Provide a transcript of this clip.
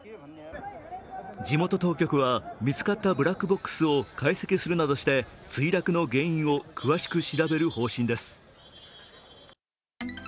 地元当局は、見つかったブラックボックスを解析するなどして墜落の原因を詳しく調べる方針です。